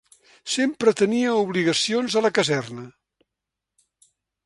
Sempre tenia obligacions a la caserna.